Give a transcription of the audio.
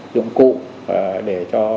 dụng cụ để cho